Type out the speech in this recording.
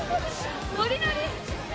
・ノリノリ！